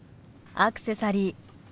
アクセサリー